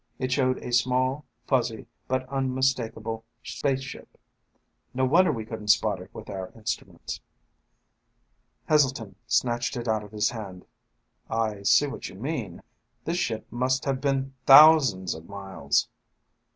It showed a small, fuzzy, but unmistakable spaceship. "No wonder we couldn't spot it with our instruments." Heselton snatched it out of his hand. "I see what you mean. This ship must have been thousands of miles